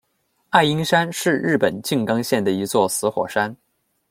爱鹰山是日本静冈县的一座死火山。